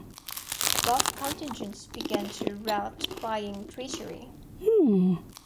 Both contingents began to rout crying 'treachery'.